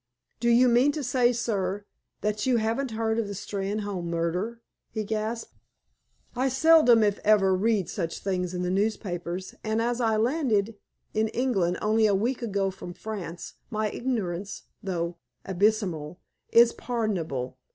"Do you mean to say, sir, that you haven't heard of the Steynholme murder?" he gasped. "I seldom, if ever, read such things in the newspapers, and, as I landed in England only a week ago from France, my ignorance, though abyssmal, is pardonable.